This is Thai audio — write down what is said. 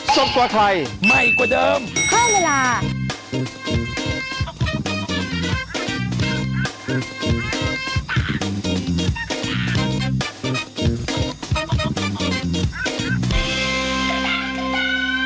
สวัสดีค่ะ